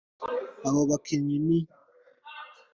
Abo bakinnyi ni